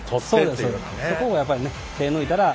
そこをやっぱりね手ぇ抜いたら。